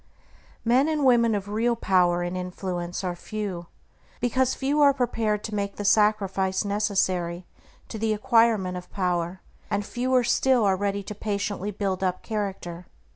Men and women of real power and influence are few, because few are prepared to make the sacrifice necessary to the acquirement of power, and fewer still are ready to patiently build up character.